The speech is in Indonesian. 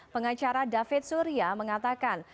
pengacara david suria mengatakan